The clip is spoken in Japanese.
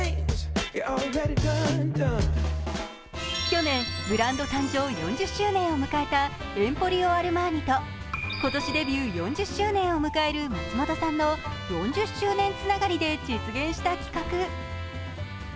去年、ブランド生誕４０周年を迎えたエンポリオ・アルマーニと今年デビュー４０周年を迎える松本さんの４０周年つながりで実現した企画。